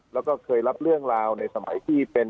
แล้วก็เคยรับเรื่องราวในสมัยที่เป็น